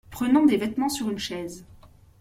Prenant des vêtements sur une chaise.